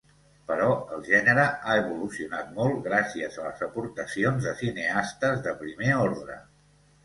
Però el gènere ha evolucionat molt gràcies a les aportacions de cineastes de primer ordre.